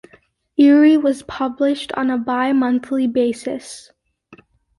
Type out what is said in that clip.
"Eerie" was published on a bi-monthly basis.